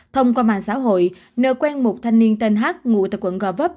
thông qua mạng xã hội nợ quen một thanh niên tên hát ngụ tại quận go vấp